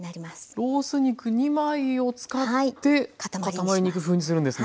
ロース肉２枚を使って塊肉風にするんですね。